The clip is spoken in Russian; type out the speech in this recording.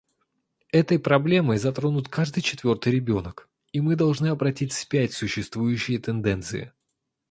Этой проблемой затронут каждый четвертый ребенок, и мы должны обратить вспять существующие тенденции.